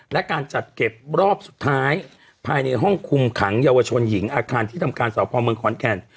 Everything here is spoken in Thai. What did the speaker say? และการจัดเก็บรอบสุดท้ายภายในห้องคุมขังเยาวชนหญิงอาคารที่ทำการสอบภอมเมืองขอนแก่น